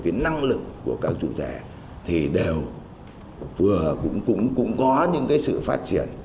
cái năng lực của các chủ thể thì đều vừa cũng có những cái sự phát triển